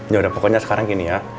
yaudah pokoknya sekarang gini ya